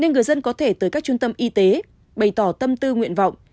nên người dân có thể tới các trung tâm y tế bày tỏ tâm tư nguyện vọng